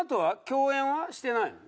共演はしてないの？